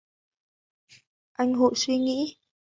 Anh Hội suy nghĩ